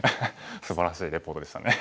すばらしいリポートでしたね。